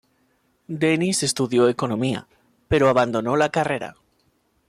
Denis estudió economía, pero abandonó la carrera.